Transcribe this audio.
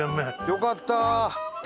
よかった！